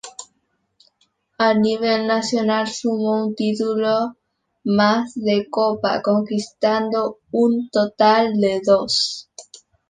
A nivel nacional sumó un título más de Copa, conquistando un total de dos.